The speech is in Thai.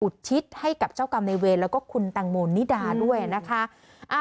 อุตทิศให้กับเจ้อกรรมในเวลและคุณตังโมนนิดาด้วยนะคะ